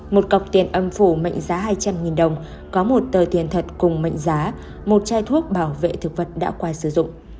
một cọc tiền âm phủ mệnh giá hai trăm linh đồng có một tờ tiền thật cùng mệnh giá một chai thuốc bảo vệ thực vật đã qua sử dụng